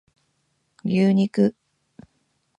牛肉